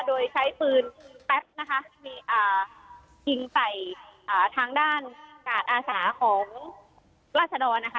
โดยใช้ปืนแป๊บนะคะยิงใส่ทางด้านกาดอาสาของราชดรนะคะ